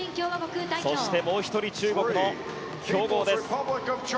そしてもう１人中国の強豪です。